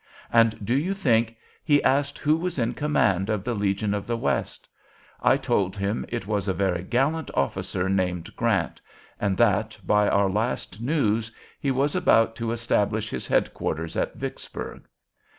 And do you think, he asked who was in command of the 'Legion of the West.' I told him it was a very gallant officer named Grant and that, by our last news, he was about to establish his head quarters at Vicksburg.